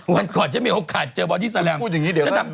วันก่อนจะมีโอกาสเจอบอดี้แซลัมฉะนั้นปี๊ด